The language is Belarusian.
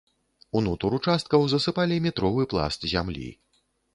Унутр участкаў засыпалі метровы пласт зямлі.